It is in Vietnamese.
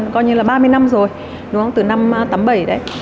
chúng ta đã thu hút fdi gần coi như là ba mươi năm rồi từ năm tám mươi bảy đấy